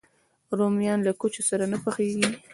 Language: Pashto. رومیان له کوچ سره نه پخېږي